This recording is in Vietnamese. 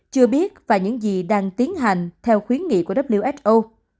chưa biết và những gì đang tiến hành theo khuyến nghị của who